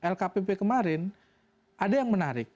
lkpp kemarin ada yang menarik